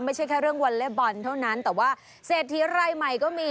ไม่ใช่แค่เรื่องวอลเล็บอลเท่านั้นแต่ว่าเศรษฐีรายใหม่ก็มี